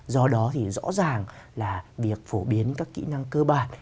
do đó thì rõ ràng là việc phổ biến các kỹ năng cơ bản